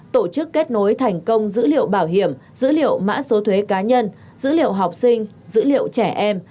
tổ chức kết nối thành công dữ liệu bảo hiểm dữ liệu mã số thuế cá nhân dữ liệu học sinh dữ liệu trẻ em